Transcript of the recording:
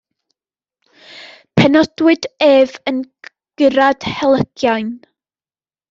Penodwyd ef yn gurad Helygain.